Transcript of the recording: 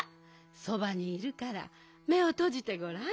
そばにいるからめをとじてごらん。